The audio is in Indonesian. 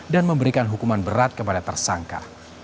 dan memberikan hukuman berat kepada tersangka